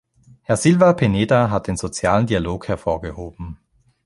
Herr Silva Peneda hat den sozialen Dialog hervorgehoben.